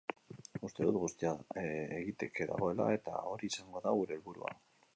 Uste dut guztia egiteke dagoela eta hori izango da gure helburua.